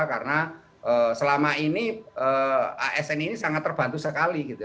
karena selama ini asn ini sangat terbantu sekali gitu